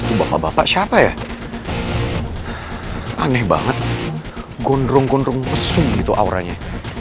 itu bapak bapak siapa ya aneh banget gondrong gondrong mesum gitu auranya